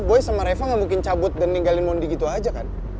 boy sama reva gak mungkin cabut dan ninggalin mondi gitu aja kan